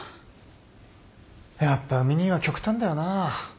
やっぱ海兄は極端だよなぁ。